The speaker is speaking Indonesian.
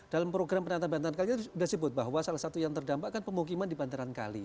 dalam program penantan pantaran kali itu sudah disebut bahwa salah satu yang terdampak kan pemukiman di pantaran kali